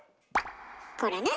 これね。